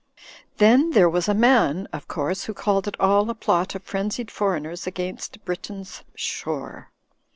Then there was a man, of course, who called it all a plot of frenzied foreigners against Britain's shore.